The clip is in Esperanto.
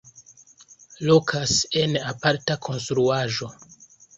Lokas en aparta konstruaĵo.